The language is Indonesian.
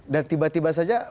dan tiba tiba saja